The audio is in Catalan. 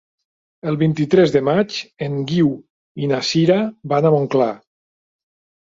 El vint-i-tres de maig en Guiu i na Sira van a Montclar.